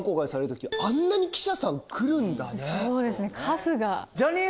そうですね数が。